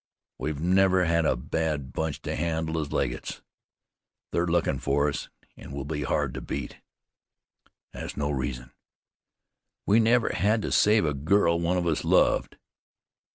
"We've never had as bad a bunch to handle as Legget's. They're lookin' fer us, an' will be hard to beat." "That's no reason." "We never had to save a girl one of us loved."